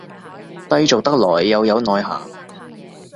低俗得來又有內涵